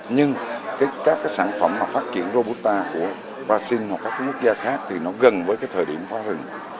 nhưng các cái sản phẩm mà phát triển robot của brazil hoặc các quốc gia khác thì nó gần với cái thời điểm phá rừng